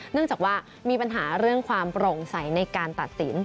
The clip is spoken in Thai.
เนื่องจากว่ามีปัญหาเรื่องความโปร่งใสในการตัดสิน